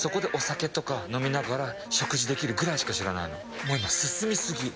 もう今、進みすぎ。